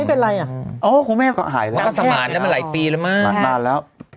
อะไรอ่ะอ๋อคุณแม่ก็หายแล้วแล้วมาหลายปีแล้วมากนานแล้ว